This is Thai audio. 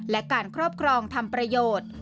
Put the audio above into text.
และการครอบครองทำประโยชน์